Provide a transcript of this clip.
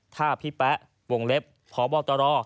ถ้าพี่แป๊ะวงเล็บพบตร